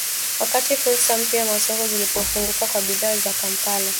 Wakati fursa mpya za masoko zilipofunguka kwa bidhaa za Kampala.